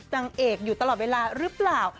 นางเอกอยู่ตลอดเวลาหรือเปล่า